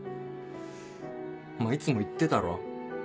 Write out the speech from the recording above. お前いつも言ってたろ。